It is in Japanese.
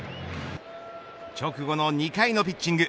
直後の２回のピッチング。